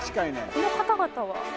この方々は？